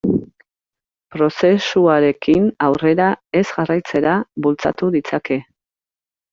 Prozesuarekin aurrera ez jarraitzera bultzatu ditzake.